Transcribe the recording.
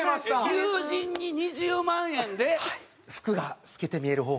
友人に２０万円で？